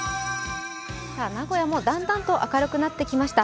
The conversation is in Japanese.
名古屋もだんだんと明るくなってきました。